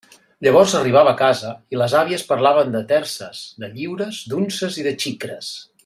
Llavors arribava a casa i les àvies parlaven de terces, de lliures, d'unces i de xicres.